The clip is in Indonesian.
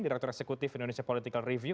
direktur eksekutif indonesia political review